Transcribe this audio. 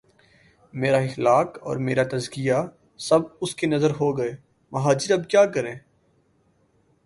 میرا اخلاق اور میرا تزکیہ، سب اس کی نذر ہو گئے مہاجر اب کیا کریں؟